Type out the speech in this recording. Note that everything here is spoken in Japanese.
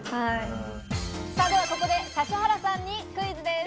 ここで指原さんにクイズです。